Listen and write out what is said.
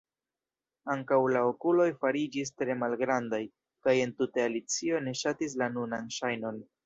Ankaŭ la okuloj fariĝis tre malgrandaj, kaj entute Alicio ne ŝatis la nunan ŝajnon.